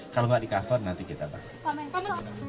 kalau nggak di cover nanti kita pakai